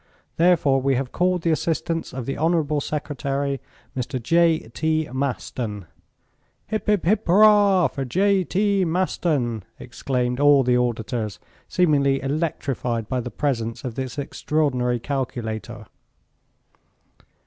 Therefore we have called the assistance of the honorable Secretary, Mr. J.T. Maston." "Hip, hip, hip, hurrah, for J. T. Maston," exclaimed all the auditors, seemingly electrified by the presence of this extraordinary calculator.